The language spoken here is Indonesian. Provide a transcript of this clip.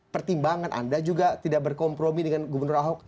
pertimbangan anda juga tidak berkompromi dengan gubernur ahok